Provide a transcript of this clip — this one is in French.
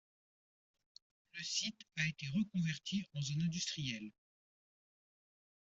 Le site a été reconverti en zone industrielle.